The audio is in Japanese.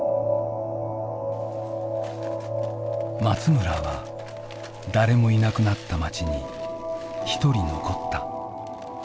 松村は誰もいなくなった町にひとり残った。